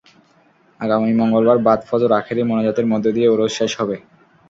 আগামী মঙ্গলবার বাদ ফজর আখেরি মোনাজাতের মধ্য দিয়ে ওরস শেষ হবে।